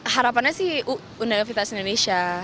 harapannya sih undang undang vitas indonesia